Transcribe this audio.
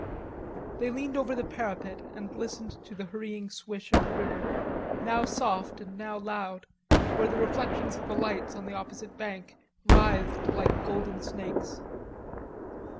They leaned over the parapet and listened to the hurrying swish of the river, now soft and now loud, where the reflections of the lights on the opposite bank writhed like golden snakes.